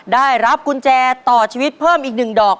ได้รับกุญแจต่อชีวิตเพิ่มอีก๑ดอก